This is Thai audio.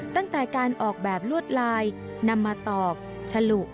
ตั้งแต่การออกแบบลวดลายนำมาตอกฉลุ